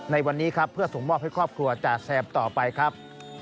ในวันนี้ครับเพื่อส่งมอบให้ครอบครัวจ่าแซมต่อไปครับ